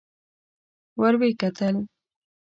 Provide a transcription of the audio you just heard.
ور ويې کتل.